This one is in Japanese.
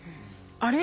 「あれ？」